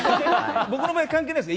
僕の場合関係ないですから。